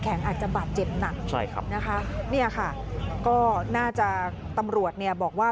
อาจจะบาดเจ็บหนักใช่ครับนะคะเนี่ยค่ะก็น่าจะตำรวจเนี่ยบอกว่า